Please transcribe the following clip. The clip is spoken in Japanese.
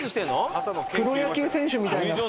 プロ野球選手みたいな。